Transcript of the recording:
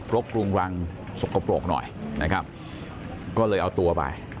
กรุงรังสกปรกหน่อยนะครับก็เลยเอาตัวไป